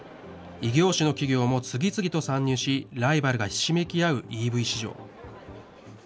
異業種の企業も次々と参入し、ライバルがひしめき合うＥＶ市場。